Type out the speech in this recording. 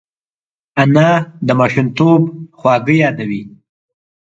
انا د ماشومتوب خواږه یادوي